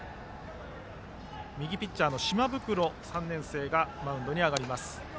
右ピッチャーの島袋、３年生がマウンドに上がります。